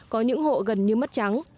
có những hộ gần như mất trắng